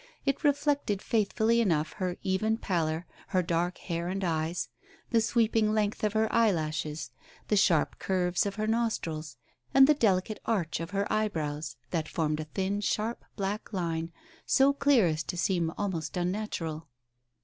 It reflected faithfully enough her even pallor, her dark hair and eyes, the sweeping length of her eyelashes, the sharp curves of her nostrils, and the delicate arch of her eyebrows, that formed a thin sharp black line, so clear as to seem almost unnatural.